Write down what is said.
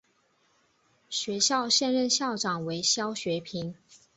学校现任校长为肖学平。